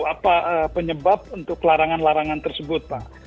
apa penyebab untuk larangan larangan tersebut pak